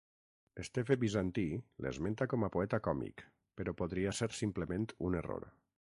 Esteve Bizantí l'esmenta com a poeta còmic, però podria ser simplement un error.